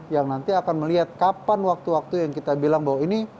yang nanti akan melihat kapan waktu waktu yang kita bilang bahwa ini